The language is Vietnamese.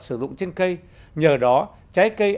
sử dụng trên cây nhờ đó trái cây